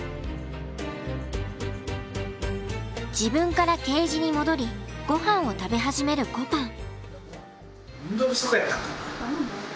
自分からケージに戻りごはんを食べ始めるこぱん。